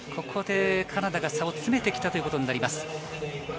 ここでカナダが差を詰めてきたことになります。